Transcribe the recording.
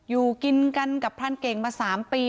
อยู่กินกันกับพรานเก่งมา๓ปี